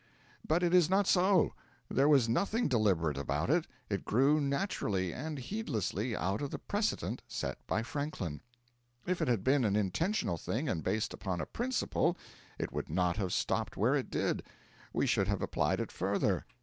But it is not so; there was nothing deliberate about it; it grew naturally and heedlessly out of the precedent set by Franklin. If it had been an intentional thing, and based upon a principle, it would not have stopped where it did: we should have applied it further.